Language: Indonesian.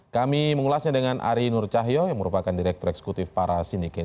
kami mengulasnya dengan ari nur cahyo yang merupakan direktur eksekutif para sindikin